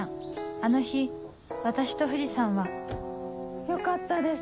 あの日私と藤さんはよかったです